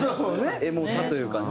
エモさというかね。